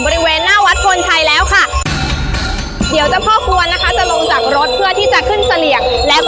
เรื่อย